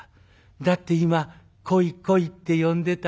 「だって今『来い来い』って呼んでた」。